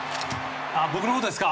僕のことですか？